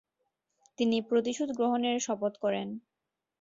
তিনি প্রতিশোধ গ্রহণের শপথ করেন।